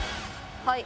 はい。